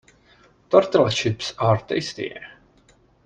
Tortilla chips are tasty.